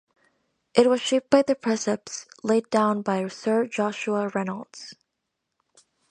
It was shaped by the precepts laid down by Sir Joshua Reynolds.